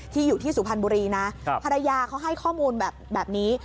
อยู่ที่สุพรรณบุรีนะภรรยาเขาให้ข้อมูลแบบนี้